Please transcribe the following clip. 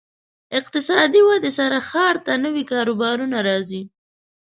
اقتصادي ودې سره ښار ته نوي کاروبارونه راځي.